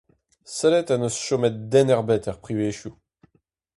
Sellit ha n'eus chomet den ebet er privezioù.